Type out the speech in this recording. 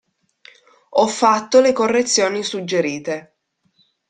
Ho fatto le correzioni suggerite!